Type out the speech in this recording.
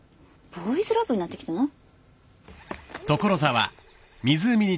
ボーイズラブになってきてない？